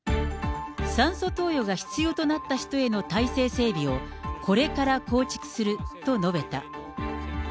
酸素投与が必要となった人への体制整備を、これから構築すると述べた。